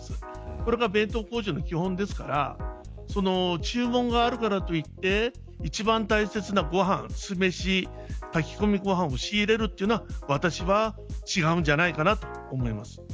これが弁当工場の基本ですから注文があるからといって一番大切なご飯酢飯、炊き込みご飯を仕入れるというのは私は違うんじゃないかなと思います。